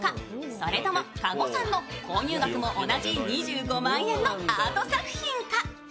それとも加護さんの購入額も同じ２５万円のアート作品か。